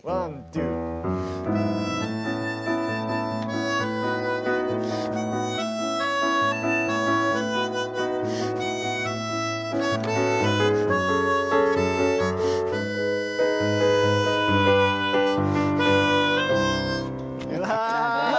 うわ。